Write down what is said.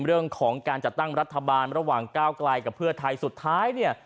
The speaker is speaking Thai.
เรื่องของการจัดตั้งรัฐบาลระหว่างก้าวไกลกับเพื่อไทยสุดท้ายเนี่ย